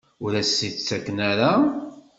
Ur as-t-id-ttaken ara?